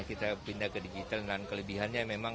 kita pindah ke digital dan kelebihannya memang